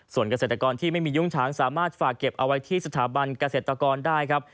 ส่วนเกษตรกรที่ไม่มียุ้งฉางสามารถฝากเก็บเอาไว้ที่สถาบันเกษตรกรได้ครับ